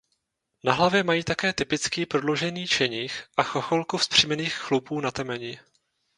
Na hlavě mají také typický prodloužený čenich a chocholku vzpřímených chlupů na temeni.